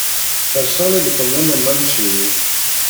Persone di cognome Mancini